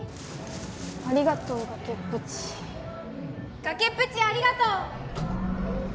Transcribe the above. ありがとう崖っぷち崖っぷちありがとう！